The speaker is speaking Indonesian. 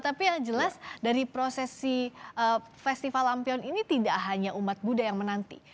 tapi yang jelas dari prosesi festival lampion ini tidak hanya umat buddha yang menanti